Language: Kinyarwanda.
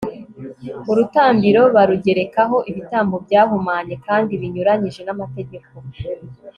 urutambiro barugerekaho ibitambo byahumanye kandi binyuranyije n'amategeko